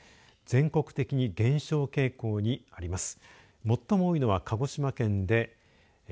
全国的に減少傾向にあります。